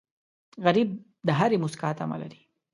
غریب د هرې موسکا تمه لري